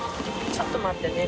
ちょっと待ってね」